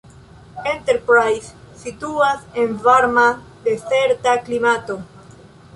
Enterprise situas en varma dezerta klimato.